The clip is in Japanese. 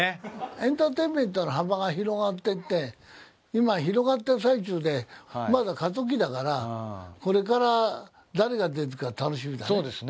エンターテインメントの幅が広がってって今広がってる最中でまだ過渡期だからこれから誰が出てくるか楽しみだね。